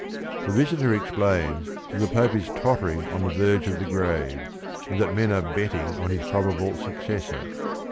The visitor ex plains that the Pope is tottering on the verge of the grave, and that men are betting on his prob able successor.